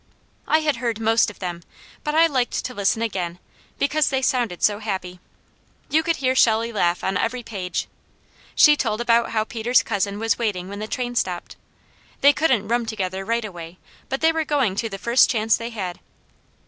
I had heard most of them, but I liked to listen again, because they sounded so happy. You could hear Shelley laugh on every page. She told about how Peter's cousin was waiting when the train stopped. They couldn't room together right away, but they were going to the first chance they had.